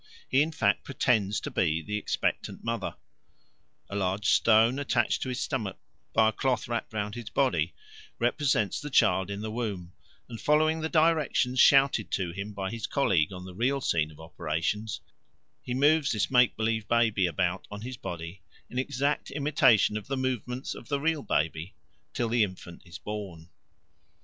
He, in fact, pretends to be the expectant mother; a large stone attached to his stomach by a cloth wrapt round his body represents the child in the womb, and, following the directions shouted to him by his colleague on the real scene of operations, he moves this make believe baby about on his body in exact imitation of the movements of the real baby till the infant is born.